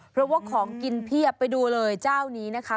เพราะว่าของกินเพียบไปดูเลยเจ้านี้นะคะ